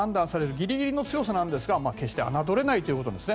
ギリギリの強さなんですが決して侮れないですね。